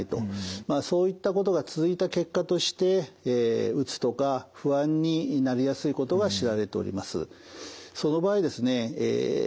まあそういったことが続いた結果としてうつとか不安になりやすいことが知られております。